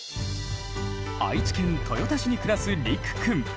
愛知県豊田市に暮らすりくくん。